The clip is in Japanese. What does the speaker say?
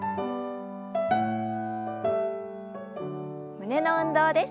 胸の運動です。